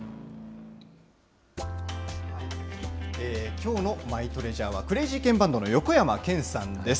きょうのマイトレジャーは、クレイジーケンバンドの横山剣さんです。